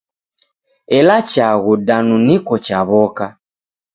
Ela chaghu danu niko chaw'oka.